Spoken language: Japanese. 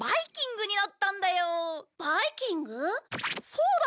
そうだ！